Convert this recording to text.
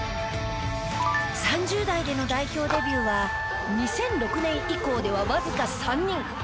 ３０代での代表デビューは２００６年以降ではわずか３人。